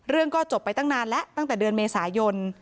ก็จบไปตั้งนานแล้วตั้งแต่เดือนเมษายน